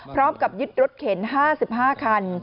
พร้อมกับยึดรถเข็น๕๕คัน